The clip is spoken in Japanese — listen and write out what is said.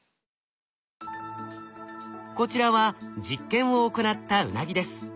こちらは実験を行ったウナギです。